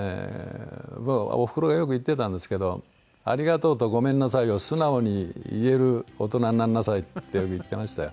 おふくろがよく言ってたんですけど「“ありがとう”と“ごめんなさい”を素直に言える大人になりなさい」ってよく言ってましたよ。